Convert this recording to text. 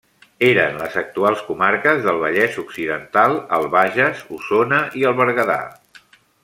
Eren les actuals comarques del Vallès Occidental, el Bages, Osona i el Berguedà.